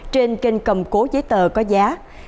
trên kênh cầm cố giấy tờ có giá